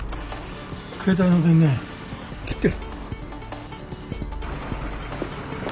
携帯の電源切ってる。